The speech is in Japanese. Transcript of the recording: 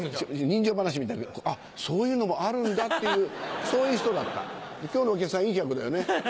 人情話みたくそういうのもあるんだっていうそういう人だった今日のお客さんいい客だよね。